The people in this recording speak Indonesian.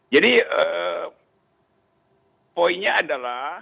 jadi poinnya adalah